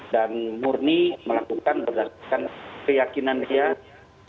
dan murni melakukan berdasarkan keyakinan dia terhadap